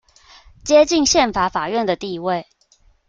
接近憲法法院的地位